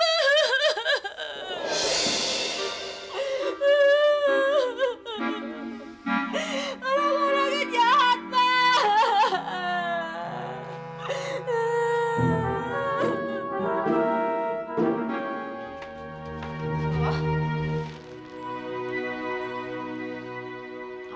orang orangnya jahat pa